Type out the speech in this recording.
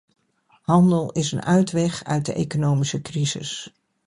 Handel is een uitweg uit de economische crisis.